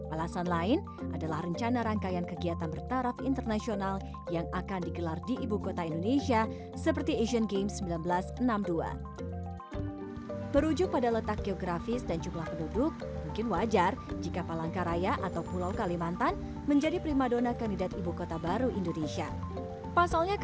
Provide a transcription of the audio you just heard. alasan lain adalah rencana rangkaian kegiatan bertaraf internasional yang akan digelar di ibu kota indonesia seperti asian games seribu sembilan ratus enam puluh dua